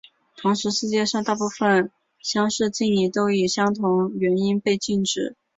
同时世界上大部份相似敬礼都以相同原因被禁止。